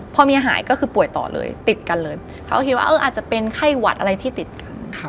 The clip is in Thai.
พอเมียหายก็คือป่วยต่อเลยติดกันเลยเขาก็คิดว่าเอออาจจะเป็นไข้หวัดอะไรที่ติดกัน